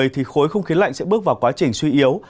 thì khối không khí lạnh sẽ bước vào quá trình suy yếu